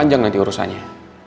panjang nanti urusannya